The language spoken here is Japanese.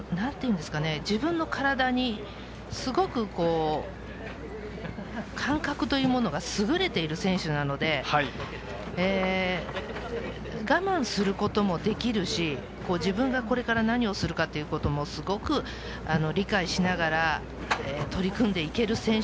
心の強さと自分の体に感覚というものが優れている選手なので我慢することもできるし、自分がこれから何をするかということもすごく理解しながら、取り組んでいける選手。